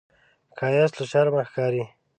ښایست له شرمه ښکاري